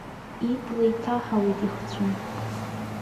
Ибла иҭаҳауеит ихцәы.